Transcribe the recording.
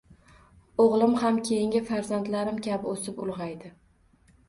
O`g`lim ham keyingi farzandlarim kabi o`sib-ulg`aydi